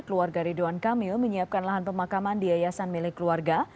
keluarga ridwan kamil menyiapkan lahan pemakaman di yayasan milik keluarga